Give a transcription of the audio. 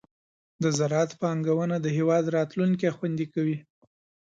د زراعت پانګونه د هېواد راتلونکې خوندي کوي.